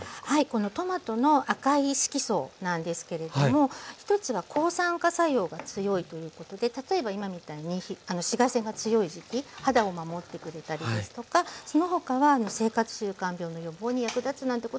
このトマトの赤い色素なんですけれども１つは抗酸化作用が強いということで例えば今みたいに紫外線が強い時期肌を守ってくれたりですとかその他は生活習慣病の予防に役立つなんてことも分かってきてます。